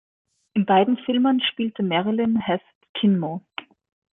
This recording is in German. In beiden Filmen spielte Mariyln Hasset Kinmont.